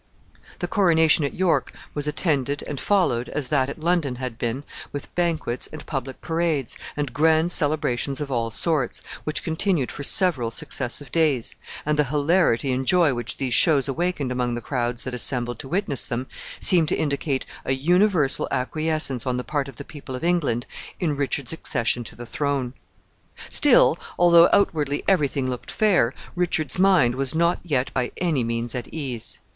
The coronation at York was attended and followed, as that at London had been, with banquets and public parades, and grand celebrations of all sorts, which continued for several successive days, and the hilarity and joy which these shows awakened among the crowds that assembled to witness them seemed to indicate a universal acquiescence on the part of the people of England in Richard's accession to the throne. Still, although outwardly every thing looked fair, Richard's mind was not yet by any means at ease.